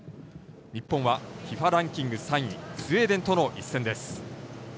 日本は、ＦＩＦＡランキング３位スウェーデンとの一戦です。